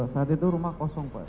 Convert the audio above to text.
saat itu rumah kosong pak